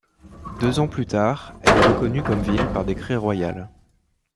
Deux ans plus tard, elle est reconnue comme ville par décret royal.